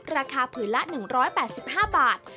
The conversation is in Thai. ราคาผืนละ๑๘๕บาท